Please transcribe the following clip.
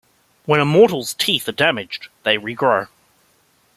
When Immortals' teeth are damaged, they regrow.